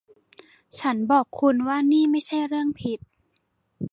ฉันบอกคุณว่านี่ไม่ใช่เรื่องผิด